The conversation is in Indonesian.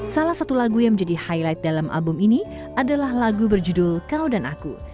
salah satu lagu yang menjadi highlight dalam album ini adalah lagu berjudul kau dan aku